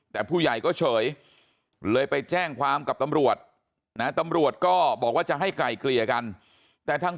แต่ผู้ใหญ่ก็เฉยเลยไปแจ้งความกับตำรวจนะตำรวจก็บอกว่าจะให้ไกลเกลี่ยกันแต่ทั้ง